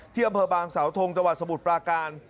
เที่ยวบางสาวทงจังหวะสมุทรปลาการ